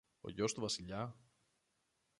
Ο γιος του Βασιλιά;